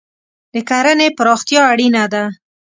د کرهنې پراختیا اړینه ده.